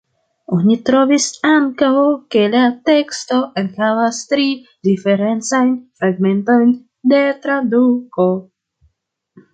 Oni trovis ankaŭ, ke la teksto enhavas tri diferencajn fragmentojn de traduko.